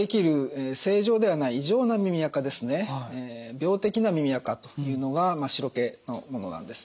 病的な耳あかというのが真っ白けのものなんです。